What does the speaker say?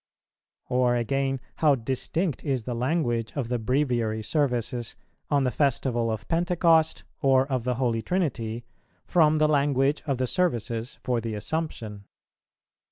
Or again, how distinct is the language of the Breviary Services on the Festival of Pentecost, or of the Holy Trinity, from the language of the Services for the Assumption!